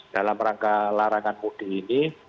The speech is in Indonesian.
dalam rangka larangan mudik ini